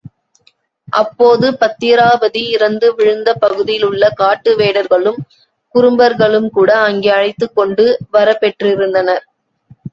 அப்போது பத்திராபதி இறந்து வீழ்ந்த பகுதியிலுள்ள காட்டு வேடர்களும் குறும்பர்களும்கூட அங்கே அழைத்துக் கொண்டு வரப்பெற்றிருந்தனர்.